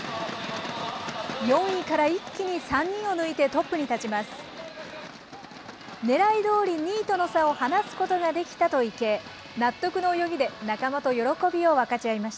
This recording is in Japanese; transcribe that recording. ４位から一気に３人を抜いてトップに立ちます。